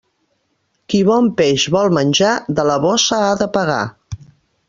Qui bon peix vol menjar, de la bossa ha de pagar.